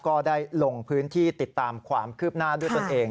ก็ได้ลงพื้นที่ติดตามความคืบหน้าด้วยตนเอง